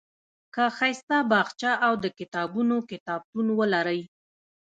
که ښایسته باغچه او د کتابونو کتابتون ولرئ.